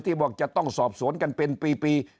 บอกจะต้องสอบสวนกันเป็นปี